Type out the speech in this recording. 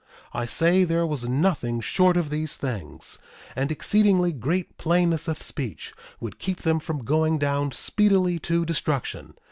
I say there was nothing short of these things, and exceedingly great plainness of speech, would keep them from going down speedily to destruction.